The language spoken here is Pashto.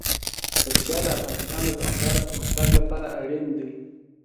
پکتیا د افغانستان د دوامداره پرمختګ لپاره اړین دي.